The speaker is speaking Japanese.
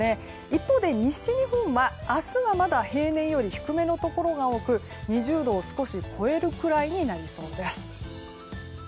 一方で、西日本は明日はまだ平年より低めのところが多く２０度を少し超えるくらいになりそうです。